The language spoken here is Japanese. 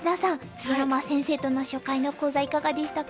鶴山先生との初回の講座いかがでしたか？